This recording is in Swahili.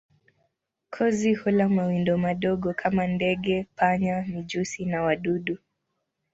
Kozi hula mawindo madogo kama ndege, panya, mijusi na wadudu.